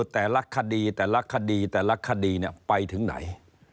แต่ลักษณ์คดีไปถึงไหน